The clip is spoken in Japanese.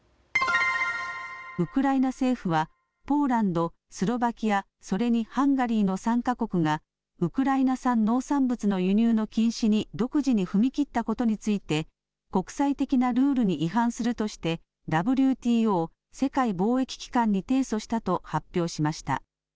ウクライナ政府はポーランド、スロバキア、それにハンガリーの３か国がウクライナ産農産物の輸入の禁止に独自に踏み切ったことについて、国際的なルールに違反するとしてＷＴＯ・世界貿易機関に提訴したと発表しました。